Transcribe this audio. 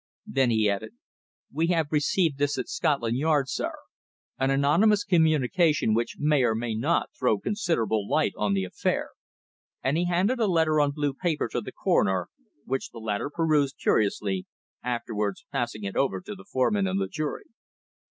Then he added: "We have received this at Scotland Yard, sir an anonymous communication which may or may not throw considerable light on to the affair," and he handed a letter on blue paper to the coroner, which the latter perused curiously, afterwards passing it over to the foreman of the jury.